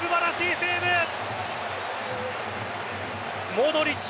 モドリッチ！